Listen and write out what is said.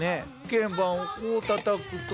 けん盤をこうたたくとな。